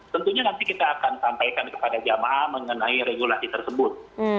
tentunya nanti kita akan sampaikan kepada jamaah mengenai regulasi tersebut